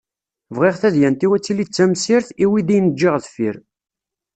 Bɣiɣ tadyant-iw ad tili d tamsirt i wid i n-ǧǧiɣ deffir-i.